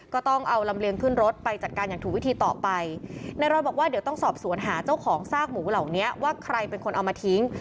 ก็ต้องเอาลำเลียงขึ้นรถไปจัดการอย่างถูกวิธีต่อไปนายรอยบอกว่าเดี๋ยวต้องสอบสวนหาเจ้าของซากหมูเหล่านี้ว่าใครเป็นคนเอามาทิ้ง